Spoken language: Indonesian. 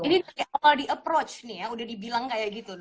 jadi dari awal di approach nih ya udah dibilang kayak gitu